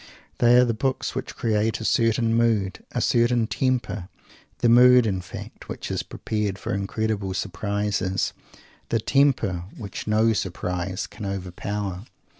They are the books which create a certain mood, a certain temper the mood, in fact, which is prepared for incredible surprises the temper which no surprise can overpower.